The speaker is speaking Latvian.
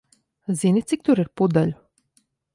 Zini, cik tur ir pudeļu?